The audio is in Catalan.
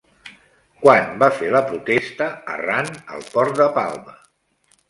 Quan va fer la protesta Arran al port de Palma?